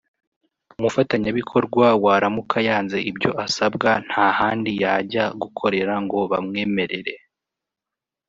umufatanyabikorwa waramuka yanze ibyo asabwa nta handi yajya gukorera ngo bamwemerere”